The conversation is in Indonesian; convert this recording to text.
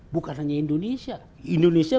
bukan hanya indonesia indonesia